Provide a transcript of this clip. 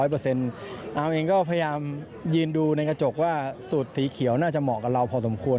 เอาเองก็พยายามยืนดูในกระจกว่าสูตรสีเขียวน่าจะเหมาะกับเราพอสมควร